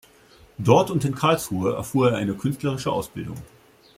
Dort und in Karlsruhe erfuhr er eine künstlerische Ausbildung.